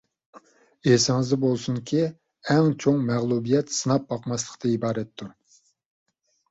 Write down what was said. ئېسىڭىزدە بولسۇنكى، ئەڭ چوڭ مەغلۇبىيەت سىناپ باقماسلىقتىن ئىبارەتتۇر.